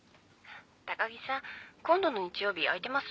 高木さん今度の日曜日空いてます？